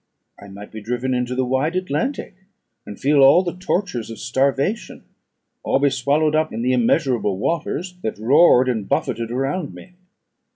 I might be driven into the wide Atlantic, and feel all the tortures of starvation, or be swallowed up in the immeasurable waters that roared and buffeted around me.